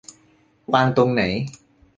วางตรงไหน